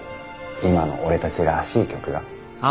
今の俺たちらしい曲が。